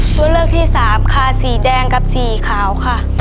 ตัวเลือกที่สามค่ะสีแดงกับสีขาวค่ะ